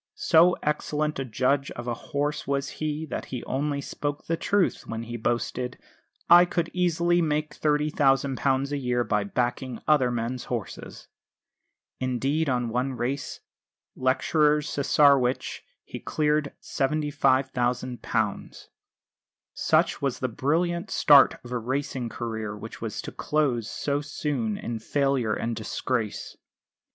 So excellent a judge of a horse was he that he only spoke the truth when he boasted, "I could easily make £30,000 a year by backing other men's horses." Indeed on one race, Lecturer's Cesarewitch, he cleared £75,000. Such was the brilliant start of a racing career which was to close so soon in failure and disgrace.